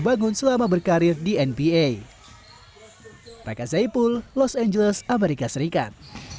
terbangun selama berkarir di nba pakai saipul los angeles amerika serikat